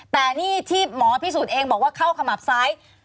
แต่นี่ที่หมอพิสูจน์เองบอกว่าเข้าขมับซ้าย